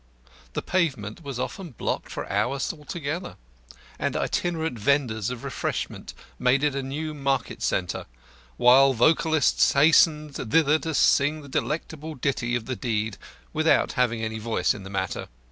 The pavement was often blocked for hours together, and itinerant vendors of refreshment made it a new market centre, while vocalists hastened thither to sing the delectable ditty of the deed without having any voice in the matter.